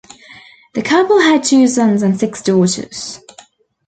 The couple had two sons and six daughters.